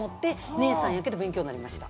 姉さん、やけど勉強になりました。